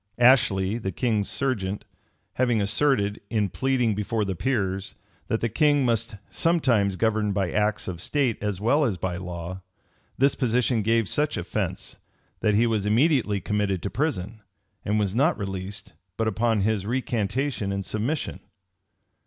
Ashley, the king's serjeant, having asserted, in pleading before the peers, that the king must sometimes govern by acts of state as well as by law, this position gave such offence, that he was immediately committed to prison, and was not released but upon his recantation and submission.